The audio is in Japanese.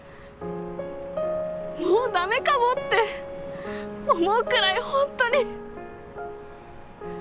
もうダメかもって思うくらいホントに。